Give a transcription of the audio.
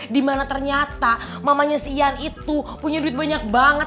dimana ternyata mamanya sian itu punya duit banyak banget